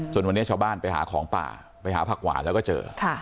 วันนี้ชาวบ้านไปหาของป่าไปหาผักหวานแล้วก็เจอ